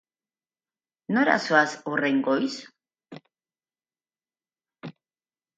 Nora zoaz horren goiz?